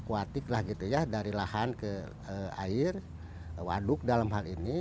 kuatik lah gitu ya dari lahan ke air waduk dalam hal ini